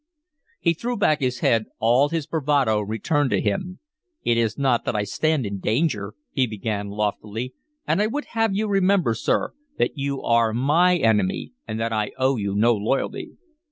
He threw back his head, all his bravado returned to him. "It is not I that stand in danger," he began loftily; "and I would have you remember, sir, that you are my enemy, and that I owe you no loyalty."